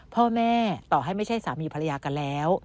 พ่อแม่ต่อให้ไม่ใช่สามีภรรยากันแล้ว